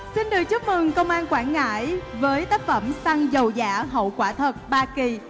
xin được chúc mừng công an quảng ngãi với tác phẩm săn dầu dã hậu quả thật ba kỳ